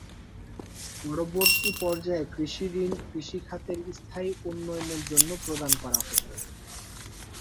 পরবর্তী পর্যায়ে কৃষিঋণ কৃষিখাতের স্থায়ী উন্নয়নের জন্য প্রদান করা হতো।